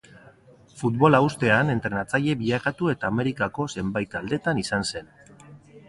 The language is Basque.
Futbola uztean, entrenatzaile bilakatu eta Amerikako zenbait taldetan izan zen.